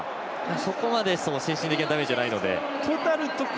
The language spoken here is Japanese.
そこまで精神的なダメージではないので。